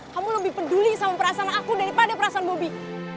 kamu lebih peduli sama perasaan aku daripada perasaan bobi